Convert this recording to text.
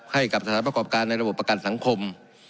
ให้กับสถานประกอบการในระบบประกันสังคม